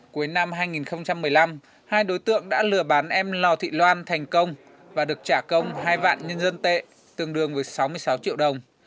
cuối năm hai nghìn một mươi năm hai đối tượng đã lừa bán em lào thị loan thành công và được trả công hai vạn nhân dân tệ tương đương với sáu mươi sáu triệu đồng